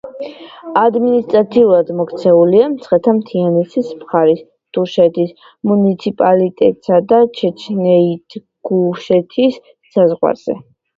ადმინისტრაციულად მოქცეულია მცხეთა-მთიანეთის მხარის დუშეთის მუნიციპალიტეტსა და ჩეჩნეთ-ინგუშეთის საზღვარზე.